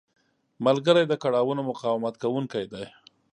ملګری د کړاوونو مقاومت کوونکی دی